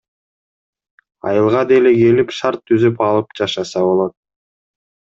Айылга деле келип шарт түзүп алып жашаса болот.